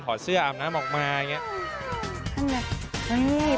เสื้ออาบน้ำออกมาอย่างนี้